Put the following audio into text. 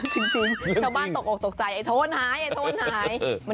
จริงชาวบ้านตกออกตกใจไอ้โทนหายไอ้โทนหาย